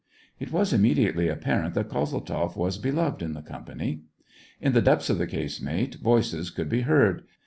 It was immediately apparent that Kozeltzoff was beloved in the company. In the depths of the casemate, voices could be heard.